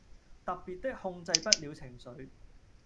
特別的控制不了情緒